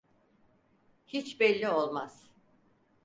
Hiç belli olmaz.